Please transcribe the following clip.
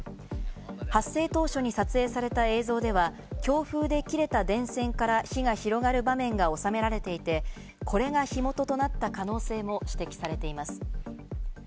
発生当初に撮影された映像では、強風で切れた電線から火が広がる場面が収められていて、これが火元となった可能性も指摘されています。